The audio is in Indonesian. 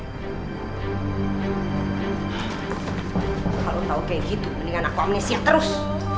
kalau tau kaya gitu mendingan aku amnesia terus